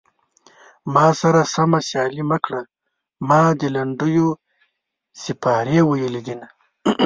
ما سره سمه سيالي مه کړه ما د لنډيو سيپارې ويلي دينه